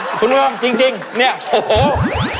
อ้าคุณพระดำจริงเนี่ยโอ้โฮ